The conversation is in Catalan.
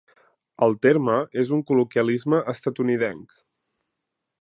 El terme es un col·loquialisme estatunidenc.